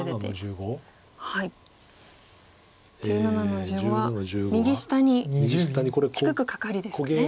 １７の十五は右下に低くカカリですかね。